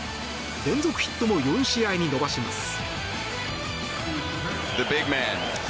連続ヒットも４試合に伸ばします。